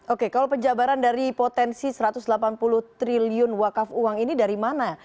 oke kalau penjabaran dari potensi satu ratus delapan puluh triliun wakaf uang ini dari mana